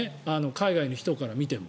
海外の人から見ても。